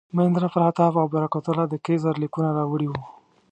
مهیندراپراتاپ او برکت الله د کیزر لیکونه راوړي وو.